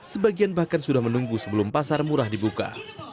sebagian bahkan sudah menunggu sebelum pasar murah dibuka